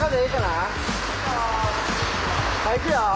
はいいくよ！